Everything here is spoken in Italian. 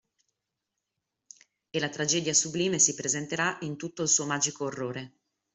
E la tragedia sublime si presenterà in tutto il suo magico orrore